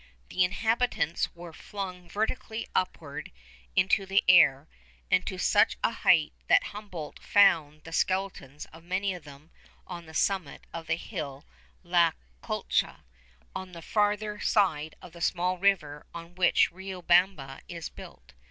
The inhabitants were flung vertically upwards into the air, and to such a height that Humboldt found the skeletons of many of them on the summit of the hill La Culca, on the farther side of the small river on which Riobamba is built.